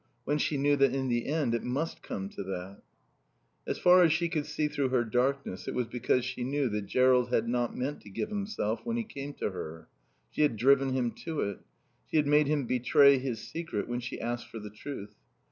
When she knew that in the end it must come to that? As far as she could see through her darkness it was because she knew that Jerrold had not meant to give himself when he came to her. She had driven him to it. She had made him betray his secret when she asked for the truth.